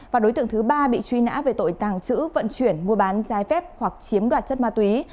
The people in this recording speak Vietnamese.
và đối tượng thứ ba bị truy nã về tội tàng trữ vận chuyển mua bán trái phép hoặc chiếm đoạt chất ma túy